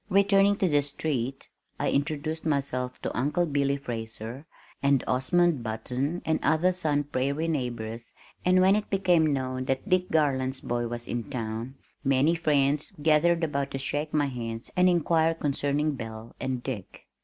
Returning to the street, I introduced myself to Uncle Billy Fraser and Osmund Button and other Sun Prairie neighbors and when it became known that "Dick Garland's boy" was in town, many friends gathered about to shake my hand and inquire concerning "Belle" and "Dick."